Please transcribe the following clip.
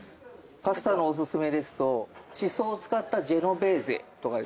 パスタのおすすめですとシソを使ったジェノベーゼとかですね。